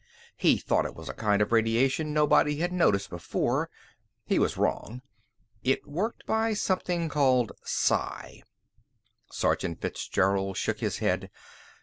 He thought it was a kind of radiation nobody had noticed before. He was wrong. It worked by something called psi." Sergeant Fitzgerald shook his head.